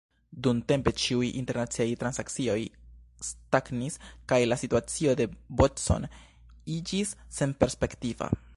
Dumtempe ĉiuj internaciaj transakcioj stagnis kaj la situacio de Bodson iĝis senperspektiva.